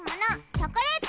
チョコレート。